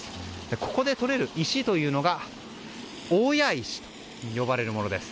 ここでとれる石というのが大谷石と呼ばれるものです。